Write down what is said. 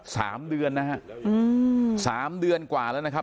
สามเดือนนะฮะอืมสามเดือนกว่าแล้วนะครับ